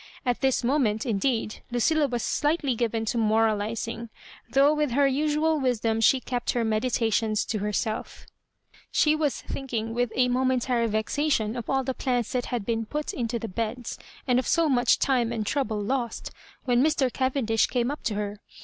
At this moment, indeed, Lucilla was slightiy given to moralising, though with her usual wiMlom she kept her meditations to her self She was thinking with a momentai^ vexa tion of all the plants that had been put into the beds, and of so much time and trouble lost — when Mr. Cavendish came up to her.